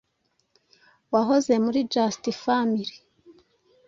wahoze muri just family